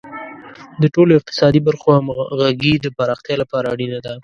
د ټولو اقتصادي برخو همغږي د پراختیا لپاره اړینه ده.